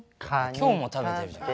今日も食べてるじゃん。